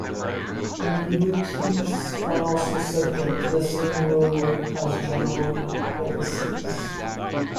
Annuities are also subject to the same rule as general legacies.